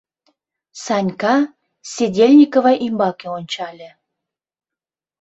Санька Седельникова ӱмбаке ончале.